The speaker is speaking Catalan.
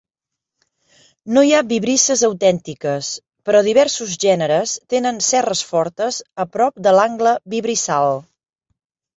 No hi ha vibrisses autèntiques, però diversos gèneres tenen cerres fortes a prop de l"angle vibrissal.